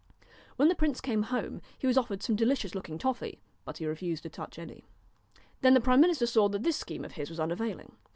When the prince came home he was offered some delicious looking toffee, but he refused to touch any. Then the prime minister saw that this scheme of his was unavailing.